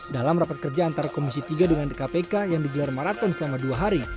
dalam rapat kerja antara komisi tiga dengan kpk yang digelar maraton selama dua hari